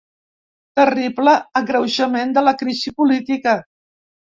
Terrible agreujament de la crisi política.